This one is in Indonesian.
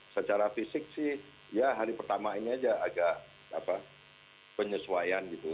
secara fisik sih ya hari pertama ini aja agak penyesuaian gitu